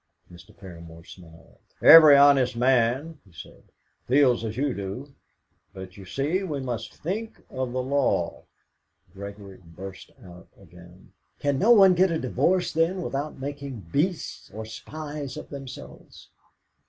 Mr. Paramor smiled. "Every honest man," he said, "feels as you do. But, you see, we must think of the law." Gregory burst out again: "Can no one get a divorce, then, without making beasts or spies of themselves?"